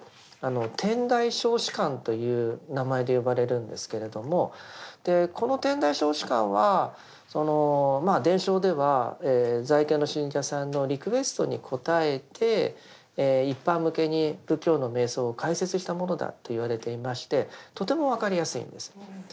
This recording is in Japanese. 「天台小止観」という名前で呼ばれるんですけれどもこの「天台小止観」は伝承では在家の信者さんのリクエストに応えて一般向けに仏教の瞑想を解説したものだと言われていましてとても分かりやすいんです。